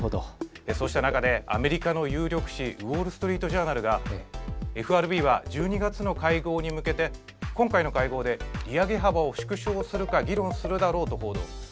そうした中でアメリカの有力紙ウォール・ストリート・ジャーナルがＦＲＢは１２月の会合に向けて今回の会合で利上げ幅を縮小するか議論するだろうと報道。